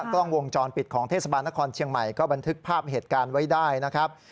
กล้องวงจรปิดของเทศบาลนครเชียงใหม่ก็บันทึกภาพเหตุการณ์ไว้ได้นะครับ